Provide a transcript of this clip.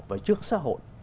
và trước xã hội